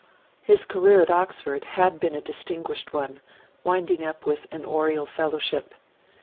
His career at Oxford had been a distinguished one, winding up with an Oriel fellowship.